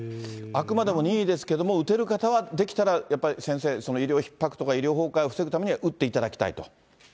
あくまでも任意ですけれども、打てる方は、できたら、やっぱり先生、医療ひっ迫とか医療崩壊を防ぐためには打っていただきたいと。